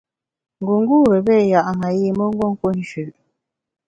Ngungûre péé ya’ ṅayi mbe nguo nku njü.